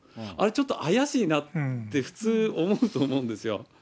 ちょっと怪しいなと、普通、思うと思うんですよ。